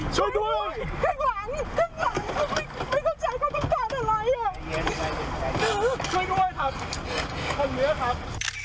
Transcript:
ช่วยด้วยครับคนเหนือครับ